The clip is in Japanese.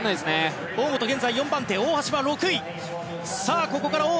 大本は４番手、大橋は６位。